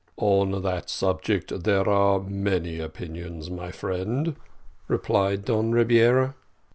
"On that subject there are many opinions, my friend," replied Don Rebiera.